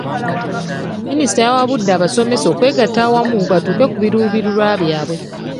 Minisita yawabudde abasomesa okwegatta awamu batuuke ku biruubirirwa byabwe.